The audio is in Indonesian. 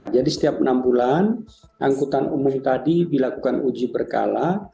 jadi setiap enam bulan angkutan umum tadi dilakukan uji berkala